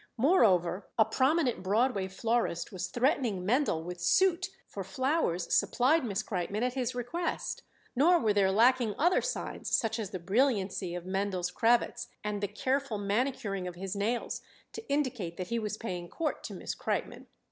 Moreover, a prominent Broadway florist was threatening Mendel with suit for flowers supplied Miss Kreitmann at his request. Nor were there lacking other signs, such as the brilliancy of Mendel's cravats and the careful manicuring of his nails, to indicate that he was paying court to Miss Kreitmann.